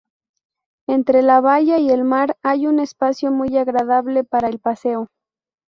Entre la valla y el mar hay un espacio muy agradable para el paseo.